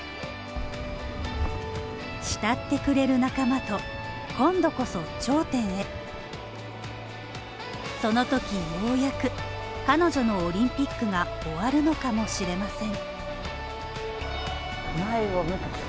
慕ってくれる仲間と今度こそ頂点へそのときにようやく彼女のオリンピックが終わるのかもしれません。